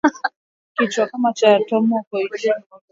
Vifo kati ya siku mbili hadi tatu kwa mnyama aliyedondokadondoka